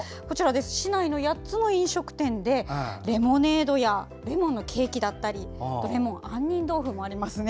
市内の８つの飲食店でレモネードやレモンのケーキだったりレモンの杏仁豆腐もありますね。